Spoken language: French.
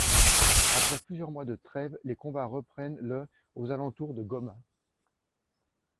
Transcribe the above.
Après plusieurs mois de trêves, les combats reprennent le aux alentours de Goma.